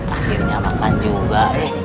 akhirnya makan juga